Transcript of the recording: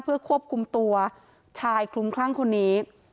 เพื่อควบคุมตัวชายคลุมคลั่งคนนี้